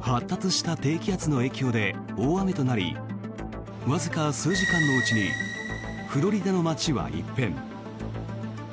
発達した低気圧の影響で大雨となりわずか数時間のうちにフロリダの街は一変。